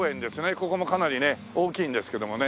ここもかなりね大きいんですけどもね。